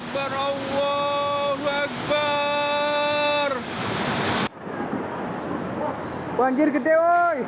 dan pekalongan jawa tengah